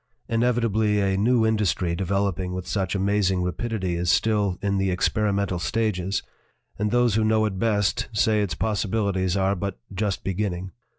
Inevitably a new industry de veloping with such amazing rapidity is still in the experimental stages, and those who know it best say its possibilities are but just beginning.